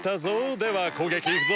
ではこうげきいくぞ！